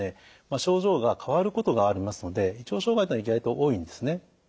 症状が変わることがありますので胃腸障害というのは意外と多いんですね。